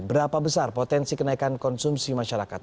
berapa besar potensi kenaikan konsumsi masyarakat